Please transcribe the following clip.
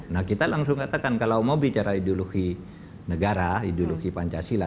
nah kita langsung katakan kalau mau bicara ideologi negara ideologi pancasila